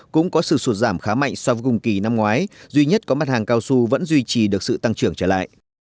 cũng có sự sụt giảm khá mạnh so với cùng kỳ năm ngoái duy nhất có mặt hàng cao su vẫn duy trì được sự tăng trưởng trở lại